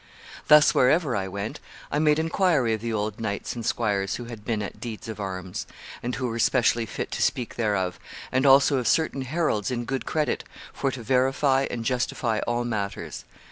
... Thus, wherever I went, I made inquiry of the old knights and squires who had been at deeds of arms, and who were specially fit to speak thereof, and also of certain heralds in good credit for to verify and justify all matters.